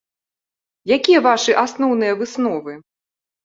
Якія вашы асноўныя высновы?